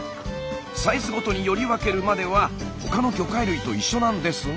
サイズごとにより分けるまでは他の魚介類と一緒なんですが。